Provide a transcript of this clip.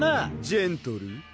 ジェントルー